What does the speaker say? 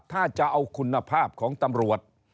ถ้าจะเอาคุณภาพของตำรวจ